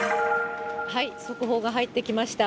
速報が入ってきました。